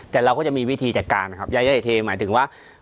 แต่เราก็จะมีวิธีจัดการนะครับยายเทหมายถึงว่า